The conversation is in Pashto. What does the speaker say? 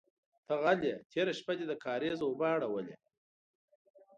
_ته غل يې، تېره شپه دې د کارېزه اوبه اړولې.